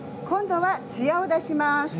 今度はツヤを出します。